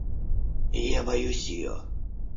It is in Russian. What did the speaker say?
Я боюсь ее!